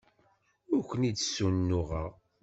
Ur ken-id-ssunuɣeɣ.